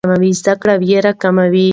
زده کړه ویره کموي.